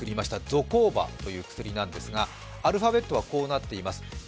ゾコーバという薬なんですがアルファベットはこうなっています。